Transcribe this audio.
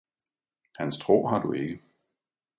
hans tro har du ikke.